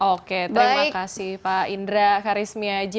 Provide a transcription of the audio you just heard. oke terima kasih pak indra karismiaji